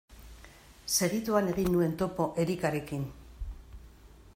Segituan egin nuen topo Erikarekin.